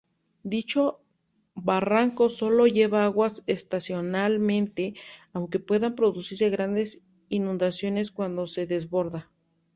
Dicho barranco sólo lleva aguas estacionalmente, aunque pueden producirse grandes inundaciones cuando se desborda.